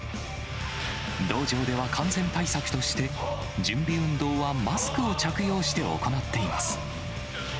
道場では感染対策として、準備運動はマスクを着用して行っています。